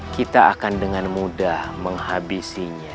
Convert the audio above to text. kita akan dengan mudah menghabisinya